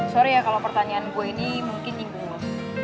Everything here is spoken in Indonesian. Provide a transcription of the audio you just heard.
sorry ya kalau pertanyaan gue ini mungkin nyinggung lo